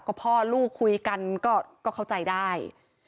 ก็พ่อลูกคุยกันก็เข้าใจได้